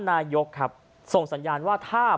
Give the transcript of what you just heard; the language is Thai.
นายกครับส่งสัญญาณว่าถ้า